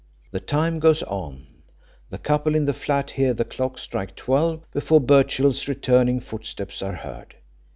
The time goes on; the couple in the flat hear the clock strike twelve before Birchill's returning footsteps are heard.